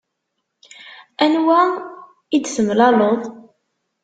Anwa i d-temlaleḍ?